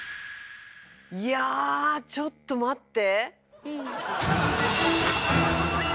いやぁちょっと待って。